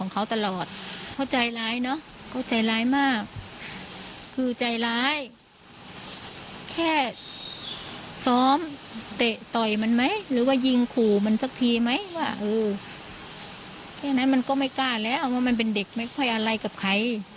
แค่นั้นมันก็ไม่กล้าแล้วว่ามันเป็นเด็กไม่ค่อยอะไรกับใคร